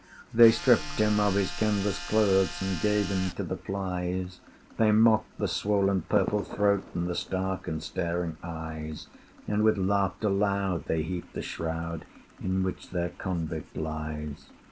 They stripped him of his canvas clothes, And gave him to the flies; They mocked the swollen purple throat And the stark and staring eyes: And with laughter loud they heaped the shroud In which their convict lies.